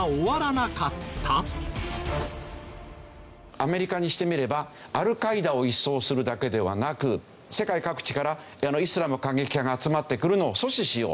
アメリカにしてみればアルカイダを一掃するだけではなく世界各地からイスラム過激派が集まってくるのを阻止しよう。